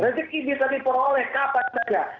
rezeki bisa diperoleh kapan saja